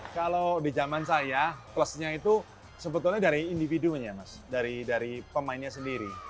kalau di zaman saya plusnya itu sebetulnya dari individunya mas dari pemainnya sendiri